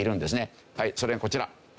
それがこちら。